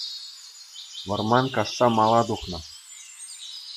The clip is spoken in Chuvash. Вӑрман касса мала тухнӑ